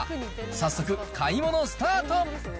早速、買い物スタート。